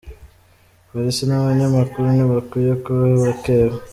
Polisi n’abanyamakuru ntibakwiye kuba abakeba